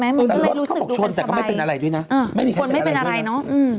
ไม่มีใครเป็นอะไรด้วยนะ